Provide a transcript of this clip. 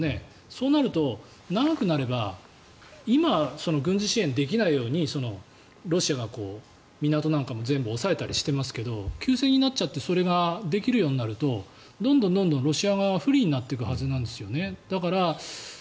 そうなると長くなれば今、軍事支援できないようにロシアが港なんかも全部押さえたりしてますけど休戦になっちゃってそれができるようになるとどんどんロシア側は不利になっていくはずなんですよね。